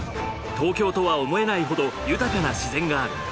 東京とは思えないほど豊かな自然がある。